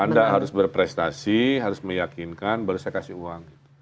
anda harus berprestasi harus meyakinkan baru saya kasih uang